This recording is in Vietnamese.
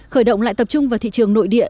khởi động lại tập trung vào thị trường nội địa